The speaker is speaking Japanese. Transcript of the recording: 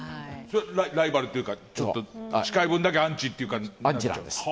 ライバルというか近い分だけアンチという感じ。